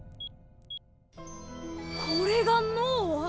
これが脳？